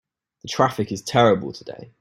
The traffic is terrible today.